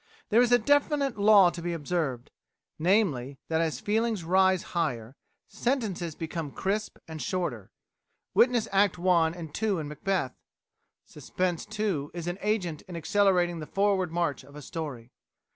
There is a definite law to be observed namely, that as feeling rises higher, sentences become crisp and shorter; witness Acts i. and ii. in Macbeth. Suspense, too, is an agent in accelerating the forward march of a story.